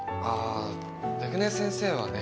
出久根先生はね